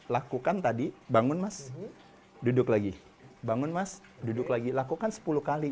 lakukan tadi bangun mas duduk lagi bangun mas duduk lagi lakukan sepuluh kali